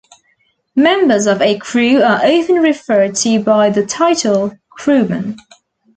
Members of a crew are often referred to by the title "Crewman".